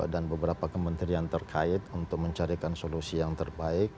dan beberapa kementerian terkait untuk mencarikan solusi yang terbaik